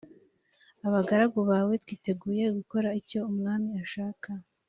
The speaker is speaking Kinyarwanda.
abagaragu bawe twiteguye gukora icyo umwami ashaka